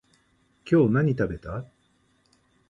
今日何食べた？